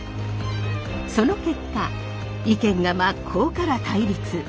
その結果意見が真っ向から対立。